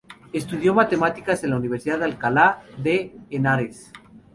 Estudió matemáticas en la Universidad de Alcalá de Henares.